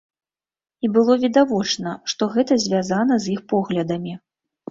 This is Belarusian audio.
І было відавочна, што гэта звязана з іх поглядамі.